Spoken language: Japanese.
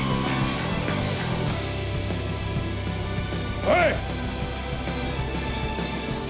・おい！